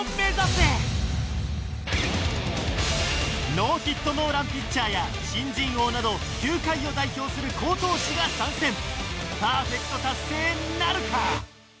ノーヒットノーランピッチャーや新人王など球界を代表する好投手が参戦パーフェクト達成なるか！？